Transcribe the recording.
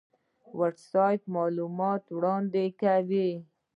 ویب سایټ معلومات وړاندې کوي